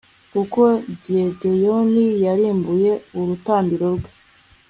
kuko gideyoni yarimbuye urutambiro rwe